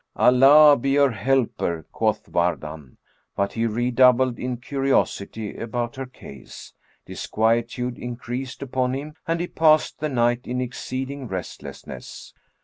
"Allah be her helper!" quoth Wardan; but he redoubled in curiosity about her case; disquietude increased upon him and he passed the night in exceeding restlessness.